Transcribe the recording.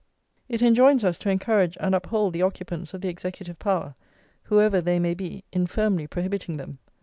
It enjoins us to encourage and uphold the occupants of the executive power, whoever they may be, in firmly prohibiting them.